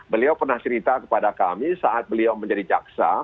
beliau pernah cerita kepada kami saat beliau menjadi jaksa